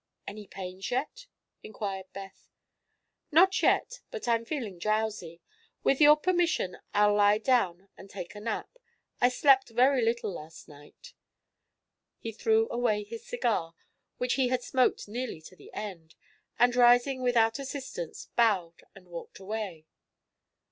"Any pains yet?" inquired Beth. "Not yet. But I'm feeling drowsy. With your permission I'll lie down and take a nap. I slept very little last night." He threw away his cigar, which he had smoked nearly to the end, and rising without assistance, bowed and walked away.